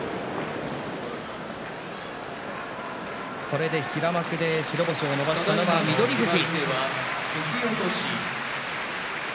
これで平幕で白星を伸ばしたのは翠富士。